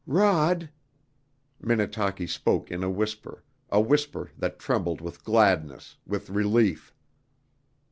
"Rod " Minnetaki spoke in a whisper, a whisper that trembled with gladness, with relief.